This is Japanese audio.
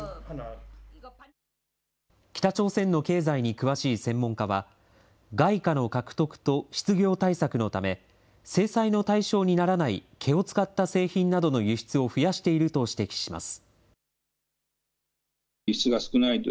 北朝鮮の経済に詳しい専門家は、外貨の獲得と失業対策のため、制裁の対象にならない毛を使った製品などの輸出を増やしていると指摘します。